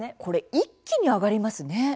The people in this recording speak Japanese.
これ、一気に上がりますね。